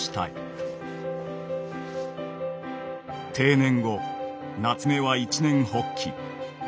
定年後夏目は一念発起。